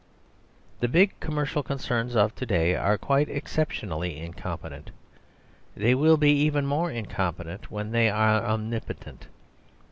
The big commercial concerns of to day are quite exceptionally incompetent. They will be even more incompetent when they are omnipotent.